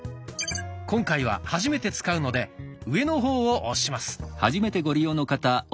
今回は初めて使うので上の方を押します。